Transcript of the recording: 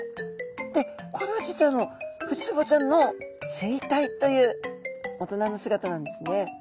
でこれは実はあのフジツボちゃんの成体という大人の姿なんですね。